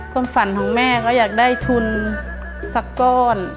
ความฝันของแม่ก็อยากได้ทุนสักก้อน